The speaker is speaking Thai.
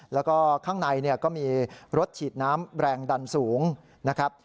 แล้วก็ข้างในก็มีรถฉีดน้ำแรงดันสูงนะครับ